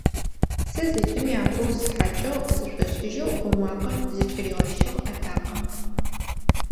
Сэ зэкӏэми апэу зыстхьакӏыгъ, - зышӏошӏыжьэу ӏо макъэм зыкӏыригъэщыгъ атакъэм.